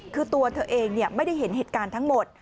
คือตัวเธอเองไม่ได้เห็นเหตุการณ์ทั้งหมด